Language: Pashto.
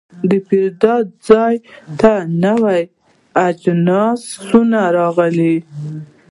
د پیرود ځای ته نوي جنسونه راغلي.